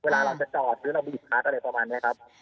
เวลาเราจะจอดหรือเรามีอีกข้าวไหมครับ